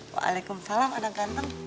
waalaikumsalam anak ganteng